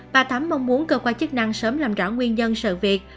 bà thắm mong muốn cơ quan chức năng sớm làm rõ nguyên nhân sự việc